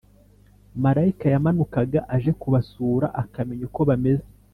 Marayika yamanukaga aje kubasura akamenya uko bameze